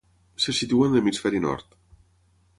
Se situa en l'Hemisferi Nord.